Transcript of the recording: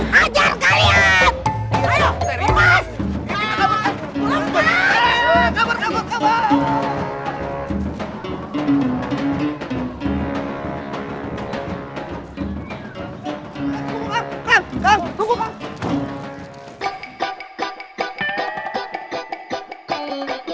eh anak kecil